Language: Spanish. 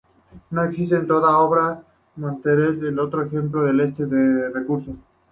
No existe en toda la obra de Montale otro ejemplo de este recurso.